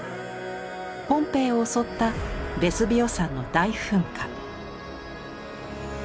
ポンペイを襲ったヴェスヴィオ山の大噴火。